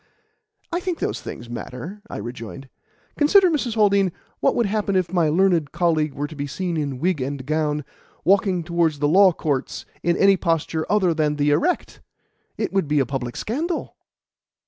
"I think those things matter," I rejoined. "Consider, Mrs. Haldean, what would happen if my learned colleague were to be seen in wig and gown, walking towards the Law Courts in any posture other than the erect. It would be a public scandal."